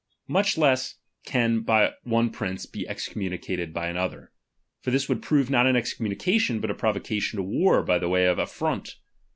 Much less can one prince be excommunicated by another ; for this would prove not an excommunication, but a provocation to war by the way of aflfront.